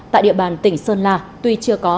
tại địa bàn tỉnh sơn la tuy chưa có